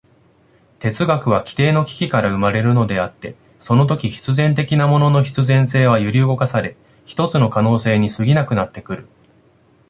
哲学は基底の危機から生まれるのであって、そのとき必然的なものの必然性は揺り動かされ、ひとつの可能性に過ぎなくなってくる。